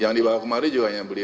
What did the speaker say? yang saya terima kemarin hanya beliau